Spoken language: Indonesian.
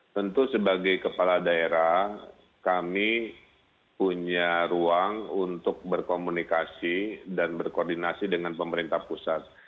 tentu sebagai kepala daerah kami punya ruang untuk berkomunikasi dan berkoordinasi dengan pemerintah pusat